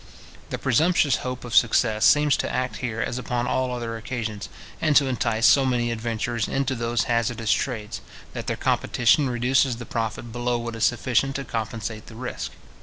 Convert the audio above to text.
The presumptuous hope of success seems to act here as upon all other occasions, and to entice so many adventurers into those hazardous trades, that their competition reduces the profit below what is sufficient to compensate the risk.